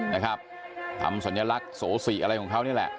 นะครับทำสัญลักษณ์โสสิอะไรของเขานี่แหละ